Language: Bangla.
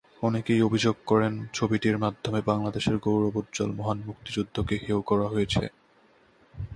অনেকেই অভিযোগ করেন, ছবিটির মাধ্যমে বাংলাদেশের গৌরবোজ্জ্বল মহান মুক্তিযুদ্ধকে হেয় করা হয়েছে।